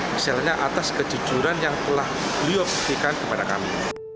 misalnya atas kejujuran yang telah beliau buktikan kepada kami